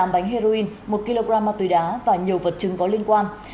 bốn mươi tám bánh heroin một kg ma túy đá và nhiều vật chứng có liên quan